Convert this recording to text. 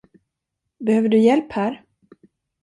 Behöver du hjälp här?